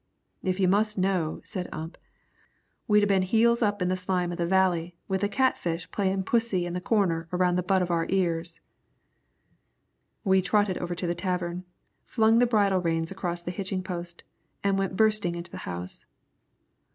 "If you must know," said Ump, "we'd a been heels up in the slime of the Valley with the catfish playin' pussy in the corner around the butt of our ears." We trotted over to the tavern, flung the bridle reins across the hitching post, and went bursting into the house.